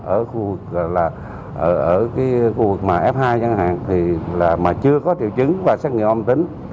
ở khu vực f hai chẳng hạn mà chưa có tiểu chứng và xét nghiệm âm tính